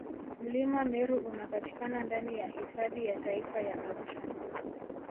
mlima meru unapatikana ndani ya hifadhi ya taifa ya arusha